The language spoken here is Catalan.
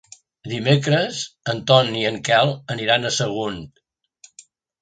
Dimecres en Ton i en Quel aniran a Sagunt.